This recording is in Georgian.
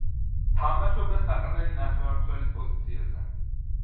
თამაშობდა საყრდენი ნახევარმცველის პოზიციაზე.